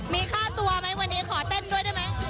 มีค่าตัวไหมวันนี้ขอเต้นด้วยได้ไหม